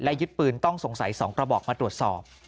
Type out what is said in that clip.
ยึดปืนต้องสงสัย๒กระบอกมาตรวจสอบ